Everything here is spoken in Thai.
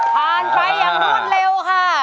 ผ่านไปอย่างรวดเร็วค่ะ